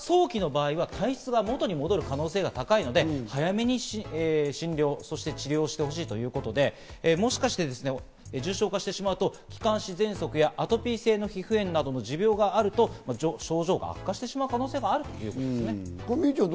発症が早期の場合、体質が元に戻る可能性が高いので、早めに診療、そして治療してほしいということで、もしかして重症化してしまうと、気管支ぜんそくやアトピー性の皮膚炎などの持病があると症状が悪化してしまう可能性もあるということでね。